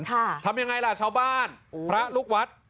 ทำยังไงล่ะชาวบ้านพระลูกวัด